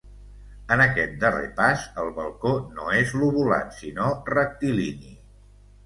En aquest darrer pas, el balcó no és lobulat sinó rectilini.